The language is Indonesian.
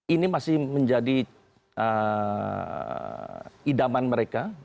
ini masih menjadi idaman mereka